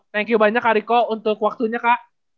thank you banyak kariko untuk waktunya kak